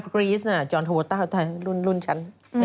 ครีสจอนโทโวต้ารุ่นชั้น